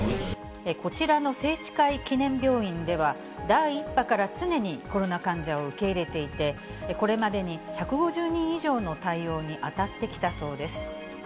こちらの清智会記念病院では、第１波から常にコロナ患者を受け入れていて、これまでに１５０人以上の対応に当たってきたそうです。